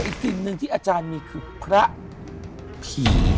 สิ่งหนึ่งที่อาจารย์มีคือพระผี